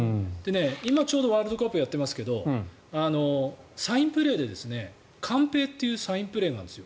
今、ちょうどワールドカップやってますけどサインプレーでカンペイというサインプレーがあるんです。